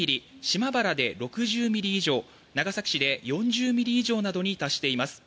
島原で６０ミリ以上長崎市で４０ミリ以上などに達しています。